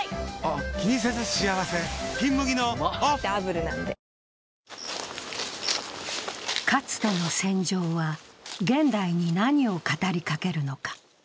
うまダブルなんでかつての戦場は、現代に何を語りかけるのか。